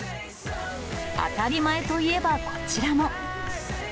当たり前といえばこちらも。